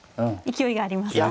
勢いがありますか。